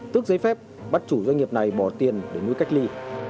tước giấy phép bắt chủ doanh nghiệp này bỏ tiền để nuôi cách ly